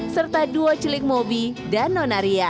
serta duo cilik mobi dan nonaria